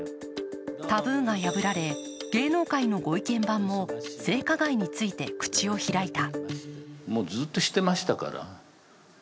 タブーが破られ、芸能界のご意見番も性加害について口を開いた。